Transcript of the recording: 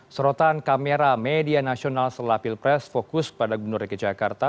serotan kamera media nasional setelah pilpres fokus pada gubernur dki jakarta